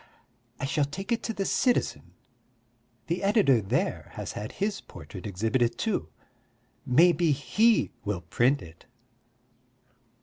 I shall take it to the Citizen; the editor there has had his portrait exhibited too. Maybe he will print it.